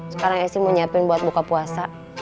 sekarang esy mau nyiapin buat buka puasa